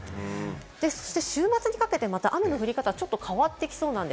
そして週末にかけてまた雨の降り方がちょっと変わってきそうなん